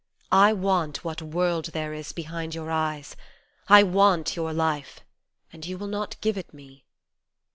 I want what world there is behind your eyes, I want your life and you will not give it me.